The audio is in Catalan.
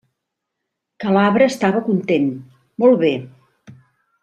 Que l'arbre estava content..., molt bé!